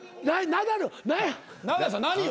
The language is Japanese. ナダルさん何よ？